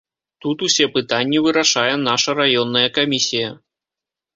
Тут усе пытанні вырашае наша раённая камісія.